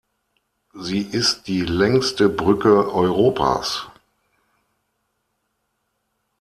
Sie ist die längste Brücke Europas.